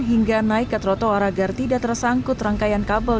hingga naik ke trotoar agar tidak tersangkut rangkaian kabel